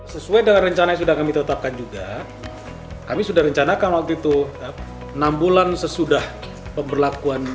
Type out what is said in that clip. sesuai dengan rencana yang sudah kami tetapkan juga kami sudah rencanakan waktu itu enam bulan sesudah pemberlakuan